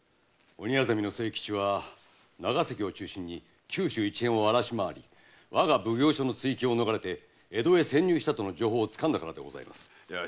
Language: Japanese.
鬼薊の清吉は長崎を中心に九州一円を荒し回り我が奉行所の追求を逃れて江戸へ潜入したとの情報を掴んだからでございます。